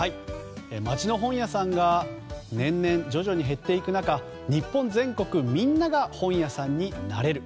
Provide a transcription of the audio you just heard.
町の本屋さんが年々徐々に減っていく中日本全国、みんなが本屋さんになれる。